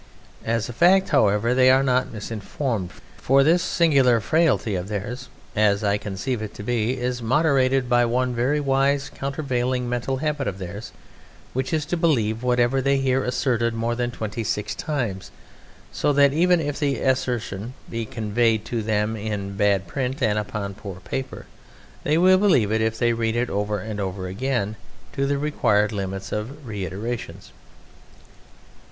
As a fact, however, they are not misinformed, for this singular frailty of theirs (as I conceive it to be) is moderated by one very wise countervailing mental habit of theirs, which is to believe whatever they hear asserted more than twenty six times, so that even if the assertion be conveyed to them in bad print and upon poor paper, they will believe it if they read it over and over again to the required limits of reiterations.